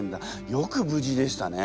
よく無事でしたね。